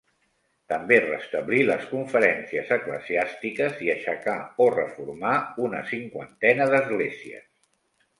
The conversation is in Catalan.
També restablí les conferències eclesiàstiques i aixecà o reformà una cinquantena d'esglésies.